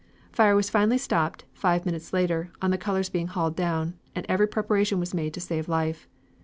Fire was finally stopped five minutes later, on the colors being hauled down, and every preparation was made to save life.